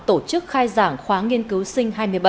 tổ chức khai giảng khóa nghiên cứu sinh hai mươi bảy